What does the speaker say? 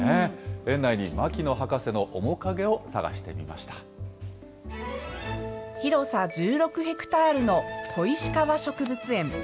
園内に牧野博士の面影を探してみ広さ１６ヘクタールの小石川植物園。